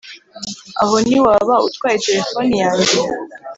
Aho niwaba utwaye telefoni yanjye